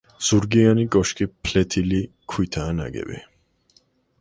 ზურგიანი კოშკი ფლეთილი ქვითაა ნაგები.